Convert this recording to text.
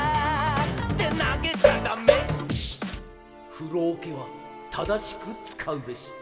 「ふろおけはただしくつかうべし」